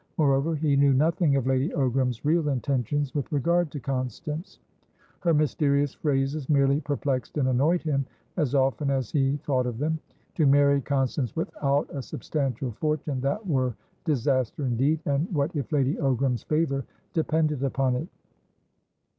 Moreover, he knew nothing of Lady Ogram's real intentions with regard to Constance; her mysterious phrases merely perplexed and annoyed him as often as he thought of them. To marry Constance without a substantial fortunethat were disaster indeed! And what if Lady Ogram's favour depended upon it?